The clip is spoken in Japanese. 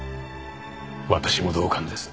私も同感です。